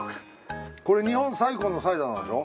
これ日本最古のサイダーなんでしょ？